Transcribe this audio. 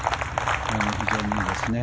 非常にいいですね。